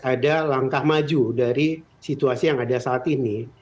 ada langkah maju dari situasi yang ada saat ini